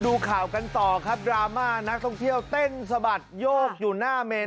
ดูข่าวกันต่อครับดราม่านักท่องเที่ยวเต้นสะบัดโยกอยู่หน้าเมน